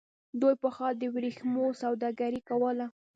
دوی پخوا د ورېښمو سوداګري کوله.